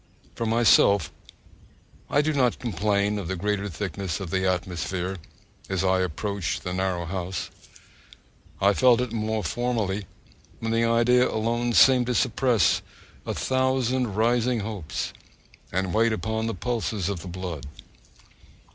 For myself, I do not complain of the greater thickness of the atmosphere as I approach the narrow house. I felt it more formerly,(2) when the idea alone seemed to suppress a thousand rising hopes, and weighed upon the pulses of the blood.